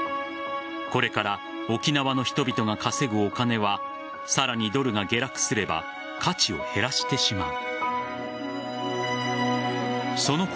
これから沖縄の人々が稼ぐお金はさらにドルが下落すれば価値を減らしてしまう。